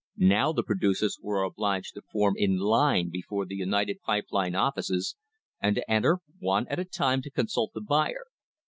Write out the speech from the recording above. Now the producers were obliged to form in line before the United Pipe Lines' offices and to enter one at a time to consult the buyer.